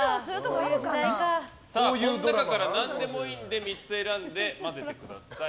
この中から何でもいいので３つ選んで混ぜてください。